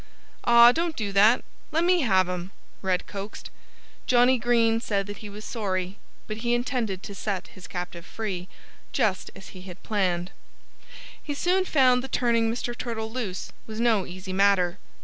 "Aw don't do that! Lemme have him!" Red coaxed. Johnnie Green said that he was sorry but he intended to set his captive free, just as he had planned. He soon found that turning Mr. Turtle loose was no easy matter.